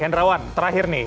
hendrawan terakhir nih